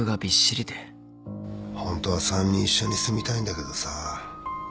ホントは３人一緒に住みたいんだけどさぁ